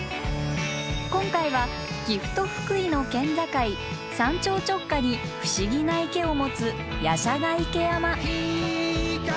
今回は岐阜と福井の県境山頂直下に不思議な池を持つ夜叉ヶ池山。